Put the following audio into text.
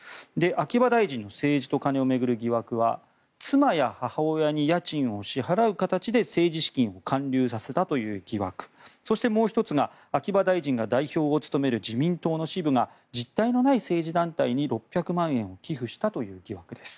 秋葉大臣の政治と金を巡る疑惑は妻や母親に家賃を支払う形で政治資金を還流させたという疑惑そして、もう１つが秋葉大臣が代表を務める自民党の支部が実体のない政治団体に６００万円を寄付したという疑惑です。